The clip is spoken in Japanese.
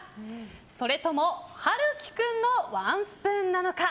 それとも、晴紀君のワンスプーンなのか。